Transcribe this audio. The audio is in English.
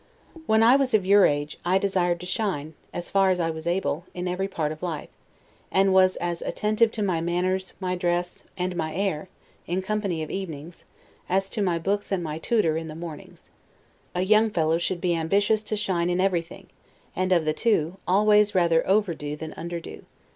When I was of your age, I desired to shine, as far as I was able, in every part of life; and was as attentive to my manners, my dress, and my air, in company of evenings, as to my books and my tutor in the mornings. A young fellow should be ambitious to shine in everything and, of the two, always rather overdo than underdo.